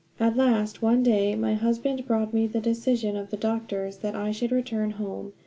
At last, one day my husband brought me the decision of the doctors, that I should return home.